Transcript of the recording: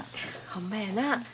ほんまやな。